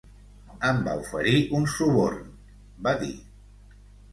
Em va oferir un suborn, va dir.